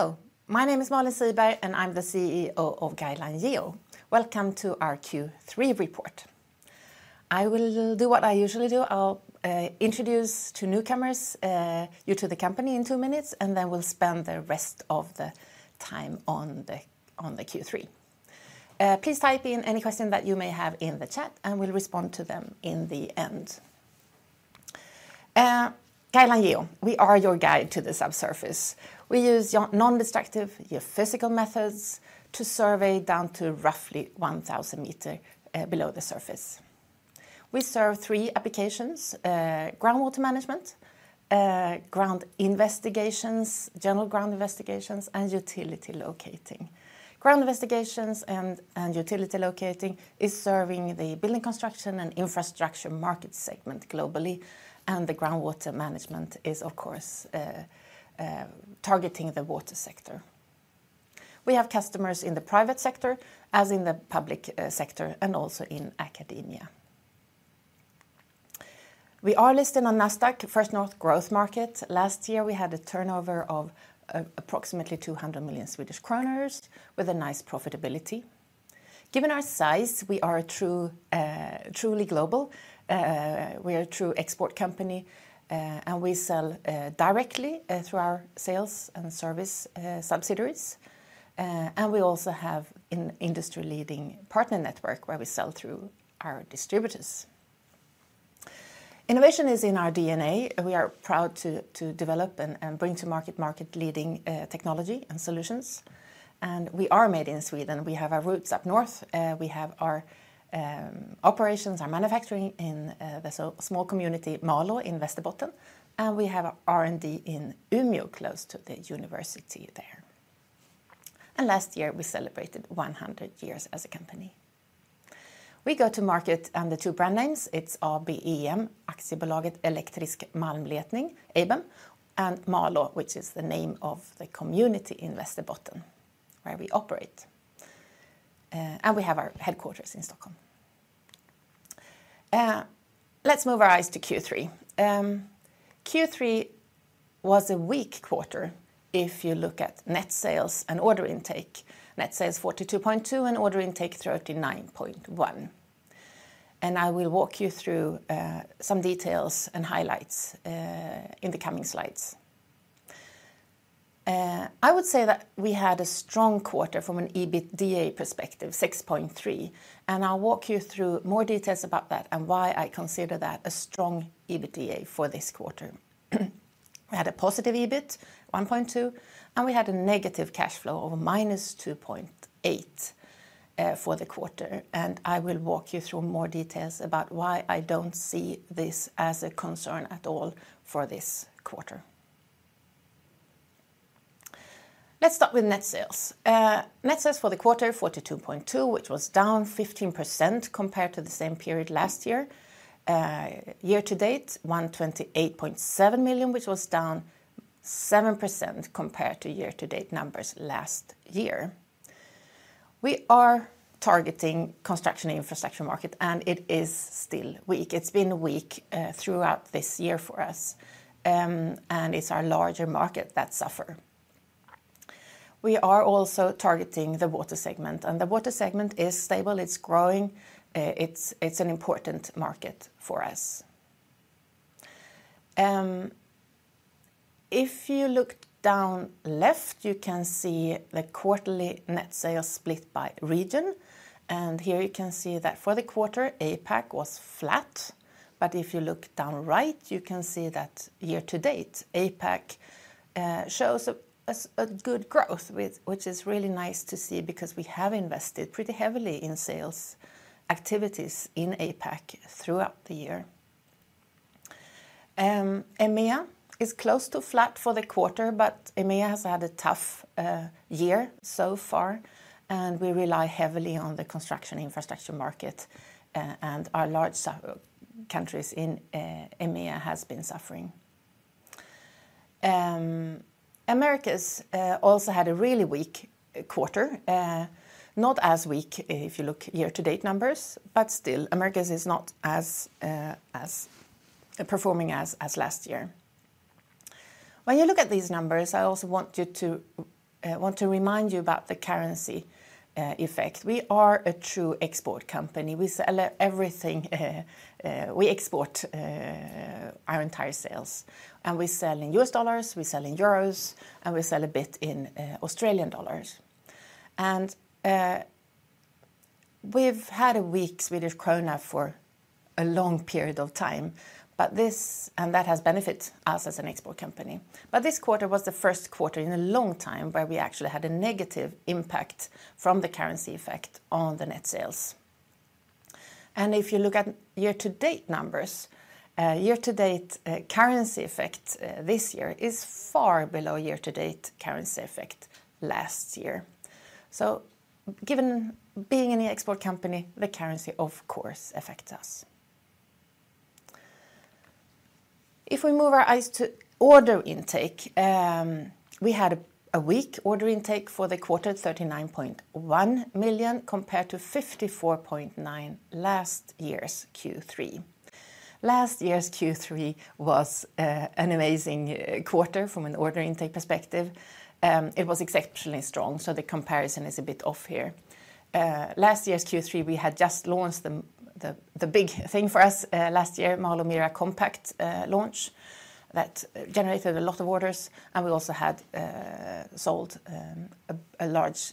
Hello, my name is Malin Siberg, and I'm the CEO of Guideline Geo. Welcome to our Q3 report. I will do what I usually do. I'll introduce to newcomers you to the company in two minutes, and then we'll spend the rest of the time on the Q3. Please type in any question that you may have in the chat, and we'll respond to them in the end. Guideline Geo, we are your guide to the subsurface. We use our non-destructive geophysical methods to survey down to roughly one thousand meters below the surface. We serve three applications: groundwater management, ground investigations, general ground investigations, and utility locating. Ground investigations and utility locating is serving the building, construction, and infrastructure market segment globally, and the groundwater management is, of course, targeting the water sector. We have customers in the private sector, as in the public sector, and also in academia. We are listed on Nasdaq First North Growth Market. Last year, we had a turnover of approximately 200 million Swedish kronor, with a nice profitability. Given our size, we are truly global. We are a true export company, and we sell directly through our sales and service subsidiaries. We also have an industry-leading partner network where we sell through our distributors. Innovation is in our DNA, and we are proud to develop and bring to market market-leading technology and solutions. We are made in Sweden. We have our roots up north. We have our operations, our manufacturing in the small community, Malå, in Västerbotten, and we have R&D in Umeå, close to the university there. Last year, we celebrated 100 years as a company. We go to market under two brand names. It's ABEM, Aktiebolaget Elektrisk Malmletning, ABEM, and Malå, which is the name of the community in Västerbotten, where we operate. We have our headquarters in Stockholm. Let's move our eyes to Q3. Q3 was a weak quarter if you look at net sales and order intake. Net sales 42.2, and order intake 39.1. I will walk you through some details and highlights in the coming slides. I would say that we had a strong quarter from an EBITDA perspective, 6.3, and I'll walk you through more details about that and why I consider that a strong EBITDA for this quarter. We had a positive EBIT, 1.2, and we had a negative cash flow of minus 2.8 for the quarter, and I will walk you through more details about why I don't see this as a concern at all for this quarter. Let's start with net sales. Net sales for the quarter, 42.2, which was down 15% compared to the same period last year. Year to date, 128.7 million, which was down 7% compared to year-to-date numbers last year. We are targeting construction and infrastructure market, and it is still weak. It's been weak throughout this year for us. And it's our larger market that suffer. We are also targeting the water segment, and the water segment is stable. It's growing. It's an important market for us. If you look down left, you can see the quarterly net sales split by region, and here you can see that for the quarter, APAC was flat. But if you look down right, you can see that year to date, APAC shows a good growth, which is really nice to see because we have invested pretty heavily in sales activities in APAC throughout the year. EMEA is close to flat for the quarter, but EMEA has had a tough year so far, and we rely heavily on the construction infrastructure market, and our large countries in EMEA has been suffering. Americas also had a really weak quarter. Not as weak if you look year-to-date numbers, but still, Americas is not as performing as last year. When you look at these numbers, I also want to remind you about the currency effect. We are a true export company. We sell everything, we export our entire sales, and we sell in U.S. dollars, we sell in euros, and we sell a bit in Australian dollars. We've had a weak Swedish krona for a long period of time, but that has benefited us as an export company, but this quarter was the first quarter in a long time where we actually had a negative impact from the currency effect on the net sales. If you look at year-to-date numbers, year-to-date currency effect this year is far below year-to-date currency effect last year. So given being an export company, the currency, of course, affects us. If we move our eyes to order intake, we had a weak order intake for the quarter, 39.1 million, compared to 54.9 million last year's Q3. Last year's Q3 was an amazing quarter from an order intake perspective. It was exceptionally strong, so the comparison is a bit off here. Last year's Q3, we had just launched the big thing for us last year, MALÅ MIRA Compact launch, that generated a lot of orders, and we also had sold a large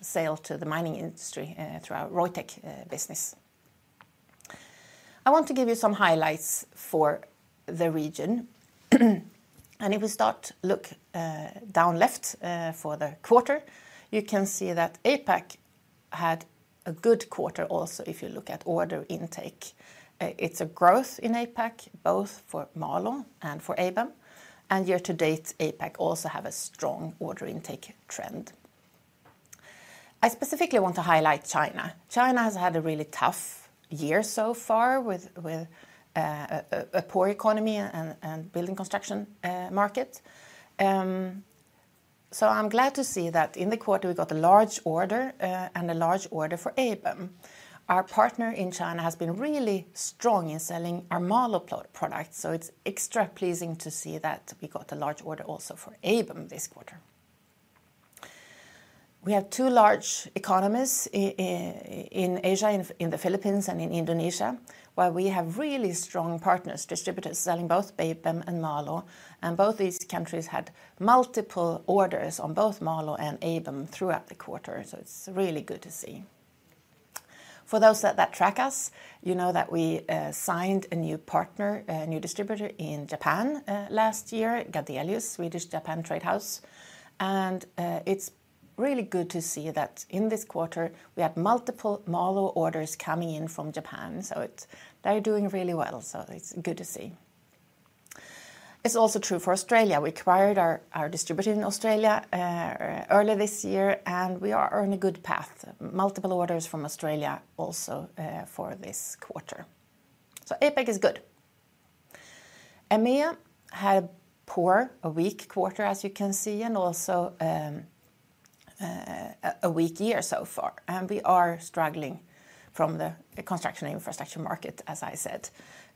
sale to the mining industry through our Reutech business. I want to give you some highlights for the region. If we start, look down left for the quarter, you can see that APAC had a good quarter also, if you look at order intake. It's a growth in APAC, both for MALÅ and for ABEM. And year to date, APAC also have a strong order intake trend. I specifically want to highlight China. China has had a really tough year so far with a poor economy and building construction market. So I'm glad to see that in the quarter, we got a large order and a large order for ABEM. Our partner in China has been really strong in selling our MALÅ products, so it's extra pleasing to see that we got a large order also for ABEM this quarter. We have two large economies in Asia, in the Philippines and in Indonesia, where we have really strong partners, distributors selling both ABEM and MALÅ, and both these countries had multiple orders on both MALÅ and ABEM throughout the quarter, so it's really good to see. For those that track us, you know that we signed a new partner, a new distributor in Japan last year, Gadelius, Swedish-Japan Trade House. It's really good to see that in this quarter we had multiple MALÅ orders coming in from Japan, so it's... They're doing really well, so it's good to see. It's also true for Australia. We acquired our distributor in Australia earlier this year, and we are on a good path. Multiple orders from Australia also for this quarter, so APAC is good. EMEA had a poor, a weak quarter, as you can see, and also, a weak year so far, and we are struggling from the construction and infrastructure market, as I said,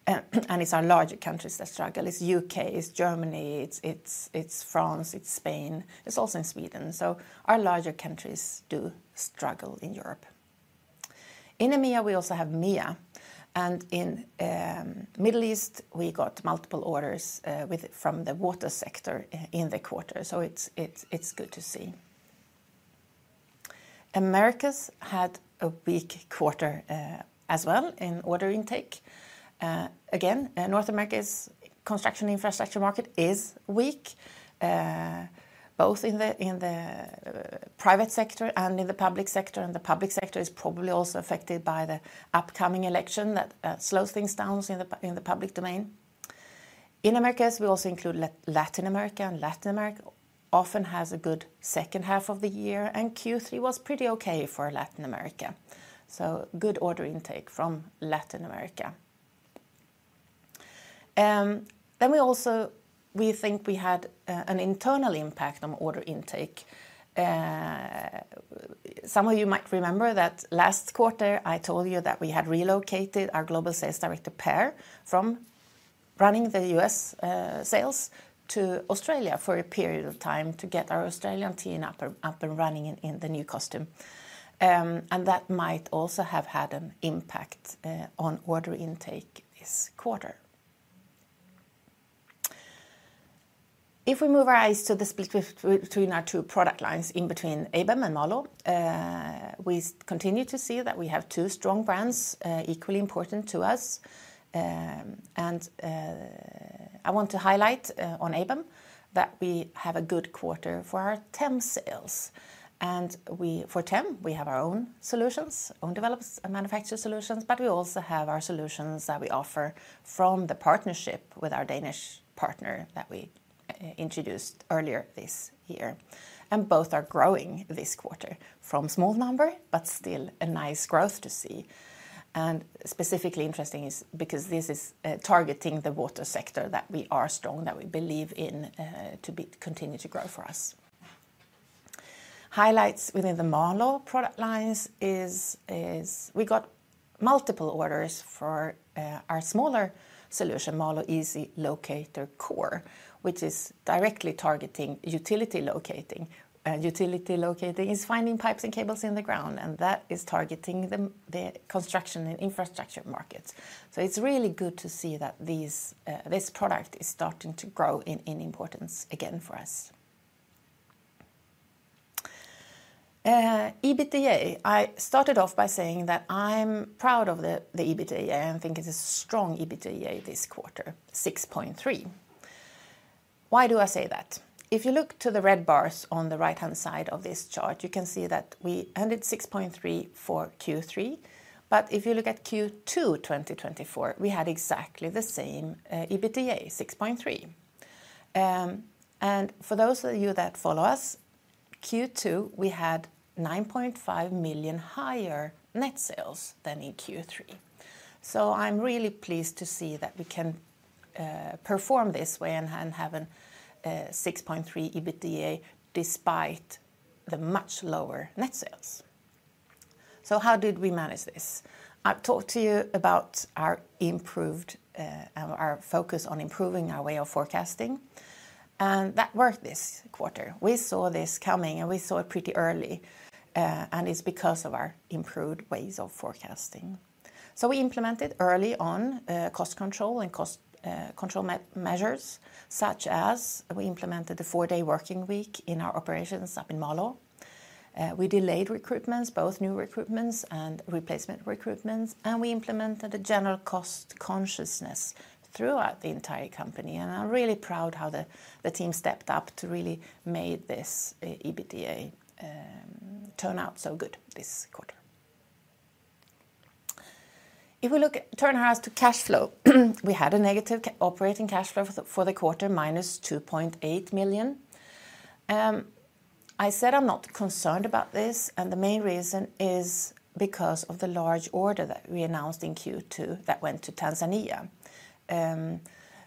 and it's our larger countries that struggle. It's U.K., it's Germany, it's France, it's Spain, it's also in Sweden. So our larger countries do struggle in Europe. In EMEA, we also have MEA, and in Middle East, we got multiple orders from the water sector in the quarter, so it's good to see. Americas had a weak quarter, as well in order intake. Again, North America's construction infrastructure market is weak, both in the private sector and in the public sector, and the public sector is probably also affected by the upcoming election that slows things down in the public domain. In Americas, we also include Latin America, and Latin America often has a good second half of the year, and Q3 was pretty okay for Latin America. So good order intake from Latin America. Then we also think we had an internal impact on order intake. Some of you might remember that last quarter I told you that we had relocated our Global Sales Director, Per, from running the U.S. sales to Australia for a period of time to get our Australian team up and running in the new customer. And that might also have had an impact on order intake this quarter. If we move our eyes to the split between our two product lines, in between ABEM and MALÅ, we continue to see that we have two strong brands, equally important to us. And I want to highlight on ABEM that we have a good quarter for our TEM sales. And we, for TEM, we have our own solutions, own develops and manufacture solutions, but we also have our solutions that we offer from the partnership with our Danish partner that we introduced earlier this year. And both are growing this quarter from small number, but still a nice growth to see. And specifically interesting is because this is targeting the water sector that we are strong, that we believe in to continue to grow for us. Highlights within the MALÅ product lines is we got multiple orders for our smaller solution, MALÅ Easy Locator Core, which is directly targeting utility locating. Utility locating is finding pipes and cables in the ground, and that is targeting the construction and infrastructure markets. It's really good to see that this product is starting to grow in importance again for us. EBITDA, I started off by saying that I'm proud of the EBITDA, and I think it's a strong EBITDA this quarter, 6.3. Why do I say that? If you look to the red bars on the right-hand side of this chart, you can see that we ended 6.3 for Q3, but if you look at Q2 2024, we had exactly the same EBITDA, 6.3. And for those of you that follow us, Q2, we had 9.5 million higher net sales than in Q3. So I'm really pleased to see that we can perform this way and have a 6.3 EBITDA, despite the much lower net sales. So how did we manage this? I've talked to you about our improved focus on improving our way of forecasting, and that worked this quarter. We saw this coming, and we saw it pretty early, and it's because of our improved ways of forecasting. So we implemented early on cost control and cost control measures, such as we implemented the four-day working week in our operations up in Malå. We delayed recruitments, both new recruitments and replacement recruitments, and we implemented a general cost consciousness throughout the entire company, and I'm really proud how the team stepped up to really made this EBITDA turn out so good this quarter. If we look at turnover to cash flow, we had a negative operating cash flow for the quarter, minus 2.8 million. I said I'm not concerned about this, and the main reason is because of the large order that we announced in Q2 that went to Tanzania.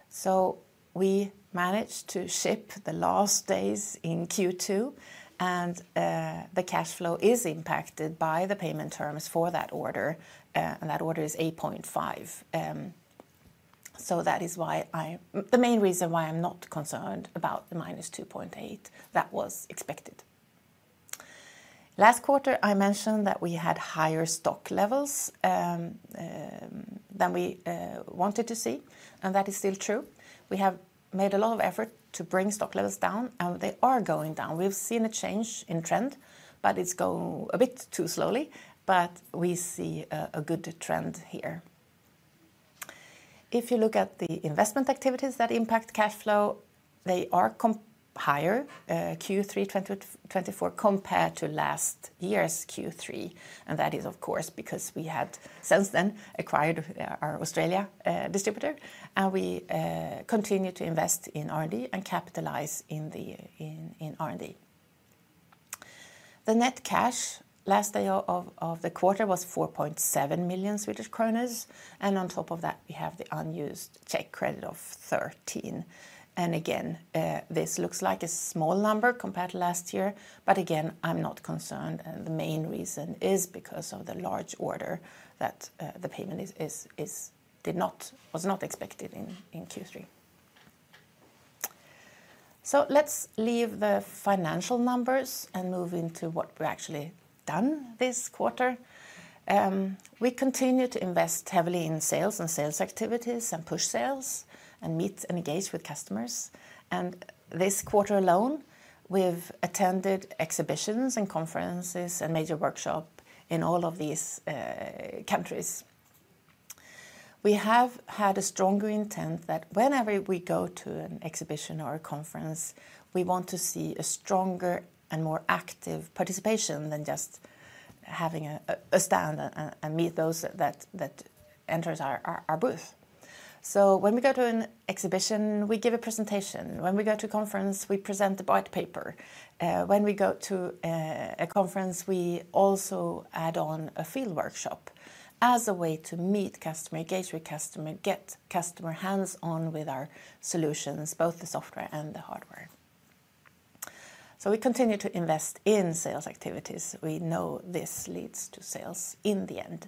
So we managed to ship the last days in Q2, and the cash flow is impacted by the payment terms for that order, and that order is 8.5 million. So that is why I... The main reason why I'm not concerned about the minus 2.8, that was expected. Last quarter, I mentioned that we had higher stock levels than we wanted to see, and that is still true. We have made a lot of effort to bring stock levels down, and they are going down. We've seen a change in trend, but it's going a bit too slowly, but we see a good trend here. If you look at the investment activities that impact cash flow, they are higher Q3 2024 compared to last year's Q3, and that is, of course, because we had since then acquired our Australia distributor, and we continue to invest in R&D and capitalize in the R&D. The net cash last day of the quarter was 4.7 million Swedish kronor, and on top of that, we have the unused check credit of 13 million. And again, this looks like a small number compared to last year, but again, I'm not concerned, and the main reason is because of the large order that the payment was not expected in Q3. So let's leave the financial numbers and move into what we've actually done this quarter. We continue to invest heavily in sales and sales activities, and push sales, and meet and engage with customers. And this quarter alone, we've attended exhibitions and conferences and major workshop in all of these countries. We have had a stronger intent that whenever we go to an exhibition or a conference, we want to see a stronger and more active participation than just having a stand and meet those that enters our booth. So when we go to an exhibition, we give a presentation. When we go to conference, we present the board paper. When we go to a conference, we also add on a field workshop as a way to meet customer, engage with customer, get customer hands-on with our solutions, both the software and the hardware. So we continue to invest in sales activities. We know this leads to sales in the end.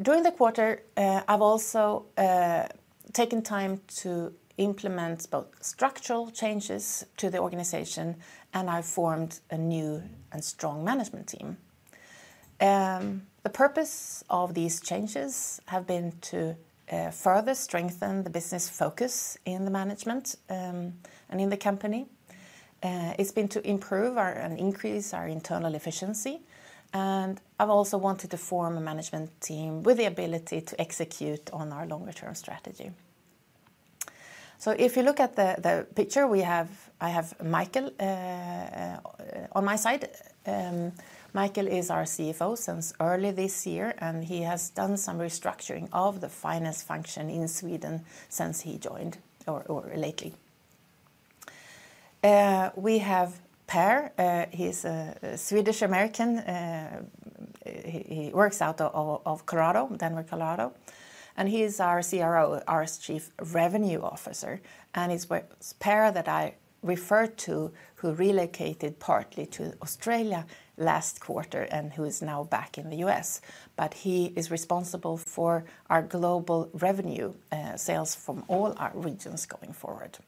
During the quarter, I've also taken time to implement both structural changes to the organization, and I formed a new and strong management team. The purpose of these changes have been to further strengthen the business focus in the management and in the company. It's been to improve our and increase our internal efficiency, and I've also wanted to form a management team with the ability to execute on our longer-term strategy. So if you look at the picture, I have Mikael on my side. Mikael is our CFO since early this year, and he has done some restructuring of the finance function in Sweden since he joined or lately. We have Per. He's a Swedish American. He works out of Colorado, Denver, Colorado, and he is our CRO, our Chief Revenue Officer, and he's Per that I referred to, who relocated partly to Australia last quarter and who is now back in the US, but he is responsible for our global revenue, sales from all our regions going forward.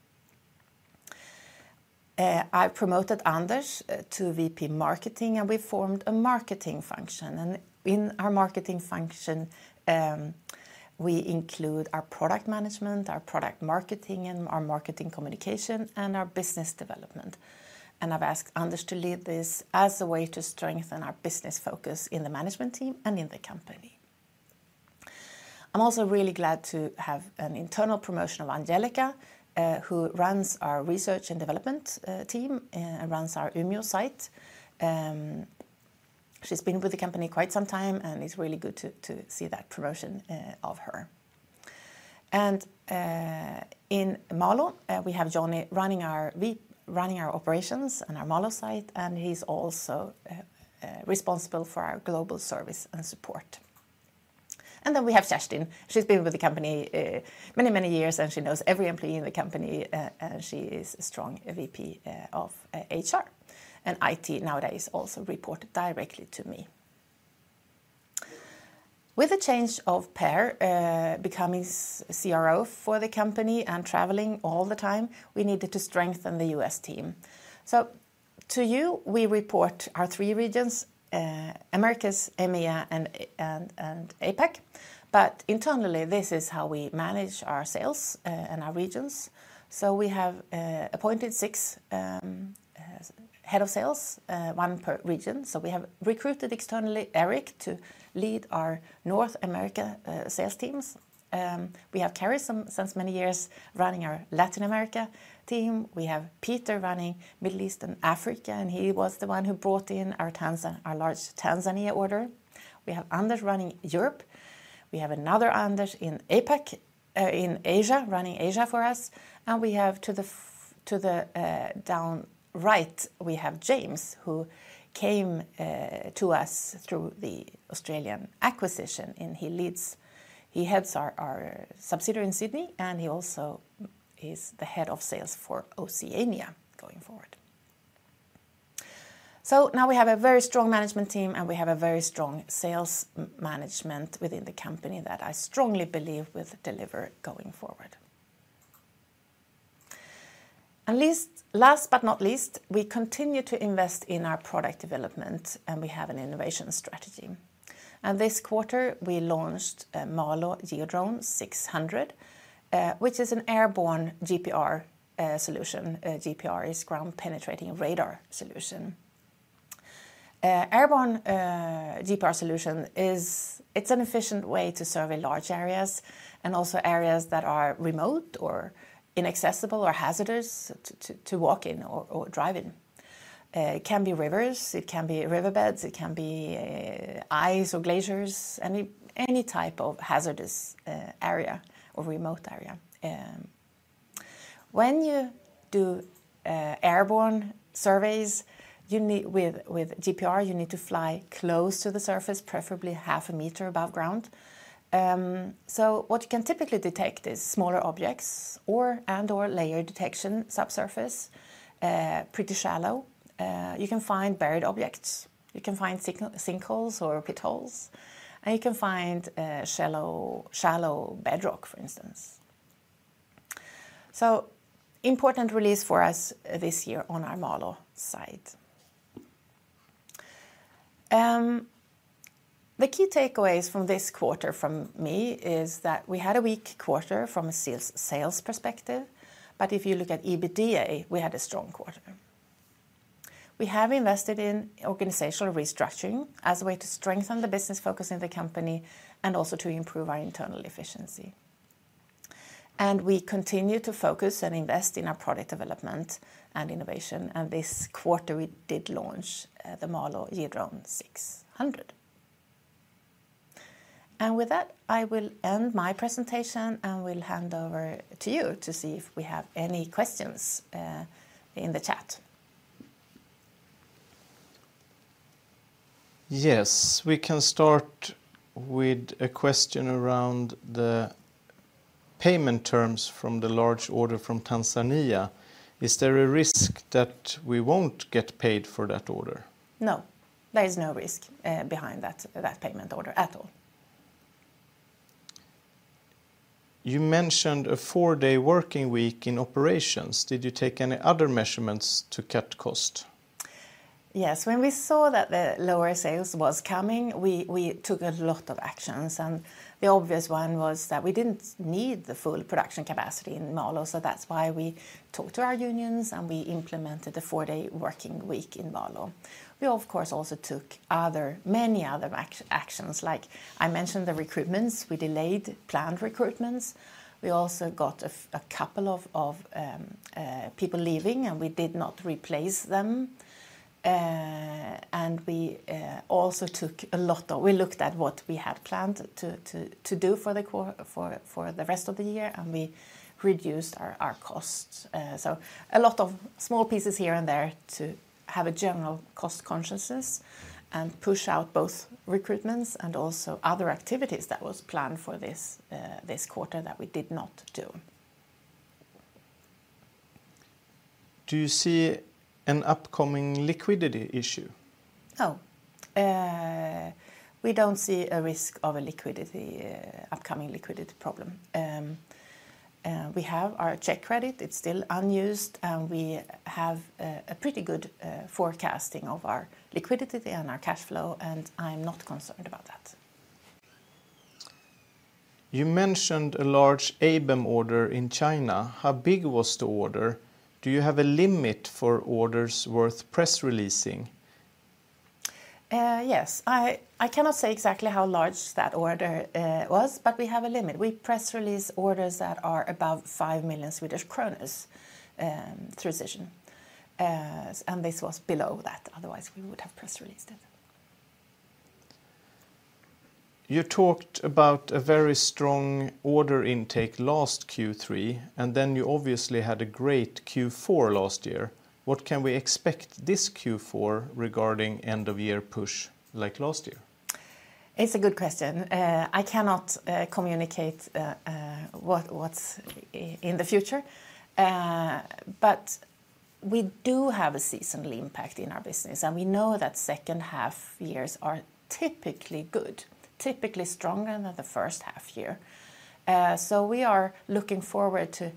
I've promoted Anders to VP Marketing, and we formed a marketing function, and in our marketing function, we include our product management, our product marketing, and our marketing communication, and our business development, and I've asked Anders to lead this as a way to strengthen our business focus in the management team and in the company. I'm also really glad to have an internal promotion of Angelica, who runs our research and development team, and runs our Umeå site. She's been with the company quite some time, and it's really good to see that promotion of her, and in Malå we have Johnny running our operations and our Malå site, and he's also responsible for our global service and support. Then we have Kerstin. She's been with the company many, many years, and she knows every employee in the company, and she is a strong VP of HR, and IT nowadays also report directly to me. With the change of Per becoming CRO for the company and traveling all the time, we needed to strengthen the U.S. team, so to you we report our three regions, Americas, EMEA, and APAC, but internally this is how we manage our sales and our regions. So we have appointed six head of sales, one per region. We have recruited externally Eric to lead our North America sales teams. We have Carrie since many years running our Latin America team. We have Peter running Middle East and Africa, and he was the one who brought in our large Tanzania order. We have Anders running Europe. We have another Anders in APAC in Asia, running Asia for us. And we have James, who came to us through the Australian acquisition, and he heads our subsidiary in Sydney, and he also is the head of sales for Oceania going forward. So now we have a very strong management team, and we have a very strong sales management within the company that I strongly believe will deliver going forward. Last but not least, we continue to invest in our product development, and we have an innovation strategy. This quarter, we launched a MALÅ GeoDrone 600, which is an airborne GPR solution. GPR is ground-penetrating radar solution. Airborne GPR solution is, it's an efficient way to survey large areas, and also areas that are remote or inaccessible or hazardous to walk in or drive in. It can be rivers, it can be riverbeds, it can be ice or glaciers, any type of hazardous area or remote area. When you do airborne surveys, you need with GPR, you need to fly close to the surface, preferably half a meter above ground. So what you can typically detect is smaller objects or and/or layer detection subsurface pretty shallow. You can find buried objects, you can find sinkholes or potholes, and you can find shallow bedrock, for instance. So important release for us this year on our MALÅ side. The key takeaways from this quarter from me is that we had a weak quarter from a sales perspective, but if you look at EBITDA, we had a strong quarter. We have invested in organizational restructuring as a way to strengthen the business focus in the company and also to improve our internal efficiency. We continue to focus and invest in our product development and innovation, and this quarter, we did launch the MALÅ GeoDrone 600. With that, I will end my presentation, and will hand over to you to see if we have any questions in the chat. Yes, we can start with a question around the payment terms from the large order from Tanzania. Is there a risk that we won't get paid for that order? No, there is no risk behind that payment order at all. You mentioned a four-day working week in operations. Did you take any other measures to cut costs? Yes, when we saw that the lower sales was coming, we took a lot of actions, and the obvious one was that we didn't need the full production capacity in Malå. So that's why we talked to our unions, and we implemented the four-day working week in Malå. We, of course, also took other, many other actions, like I mentioned the recruitments. We delayed planned recruitments. We also got a couple of people leaving, and we did not replace them, and we also took a lot of... We looked at what we had planned to do for the rest of the year, and we reduced our costs. So a lot of small pieces here and there to have a general cost consciousness and push out both recruitments and also other activities that was planned for this quarter that we did not do. Do you see an upcoming liquidity issue? No. We don't see a risk of an upcoming liquidity problem. We have our check credit, it's still unused, and we have a pretty good forecasting of our liquidity and our cash flow, and I'm not concerned about that. You mentioned a large ABEM order in China. How big was the order? Do you have a limit for orders worth press releasing? Yes. I cannot say exactly how large that order was, but we have a limit. We press release orders that are above five million SEK through Cision, and this was below that. Otherwise, we would have press released it. You talked about a very strong order intake last Q3, and then you obviously had a great Q4 last year. What can we expect this Q4 regarding end-of-year push like last year?... It's a good question. I cannot communicate what's in the future. But we do have a seasonal impact in our business, and we know that second half years are typically good, typically stronger than the first half year. So we are looking forward to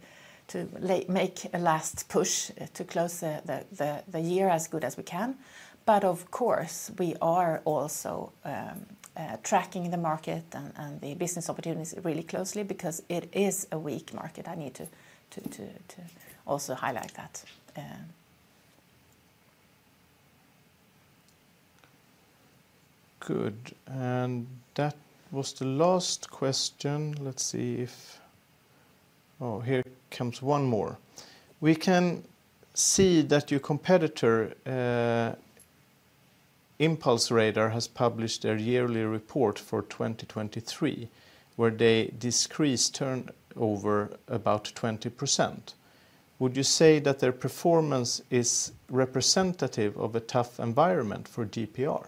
make a last push to close the year as good as we can. But of course, we are also tracking the market and the business opportunities really closely because it is a weak market. I need to also highlight that. Good, and that was the last question. Let's see if... Oh, here comes one more. We can see that your competitor, ImpulseRadar, has published their yearly report for 2023, where they decreased turnover about 20%. Would you say that their performance is representative of a tough environment for GPR?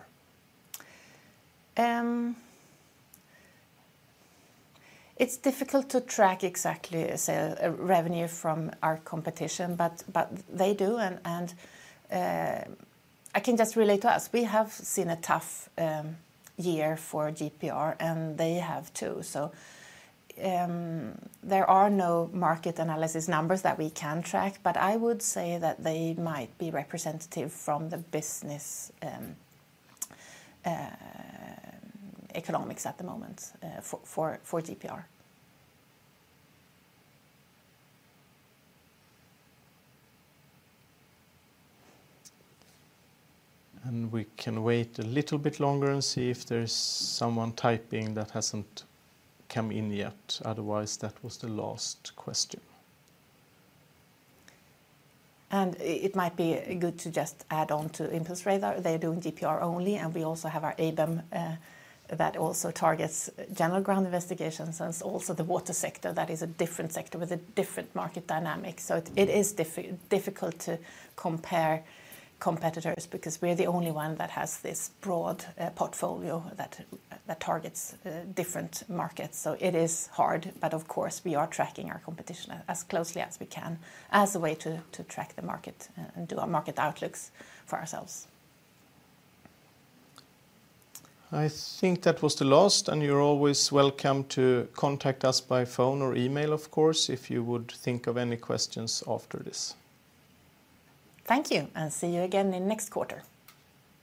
It's difficult to track exactly, say, a revenue from our competition, but they do, and I can just relate to us. We have seen a tough year for GPR, and they have, too. So, there are no market analysis numbers that we can track, but I would say that they might be representative from the business economics at the moment for GPR. We can wait a little bit longer and see if there's someone typing that hasn't come in yet. Otherwise, that was the last question. It might be good to just add on to ImpulseRadar. They're doing GPR only, and we also have our ABEM that also targets general ground investigations, and it's also the water sector that is a different sector with a different market dynamic. So it is difficult to compare competitors because we're the only one that has this broad portfolio that targets different markets. So it is hard, but of course, we are tracking our competition as closely as we can, as a way to track the market and do our market outlooks for ourselves. I think that was the last, and you're always welcome to contact us by phone or email, of course, if you would think of any questions after this. Thank you, and see you again in next quarter.